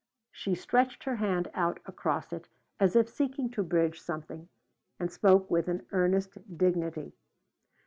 She stretched her hand out across it, as if seeking to bridge something, and spoke with an earnest dignity.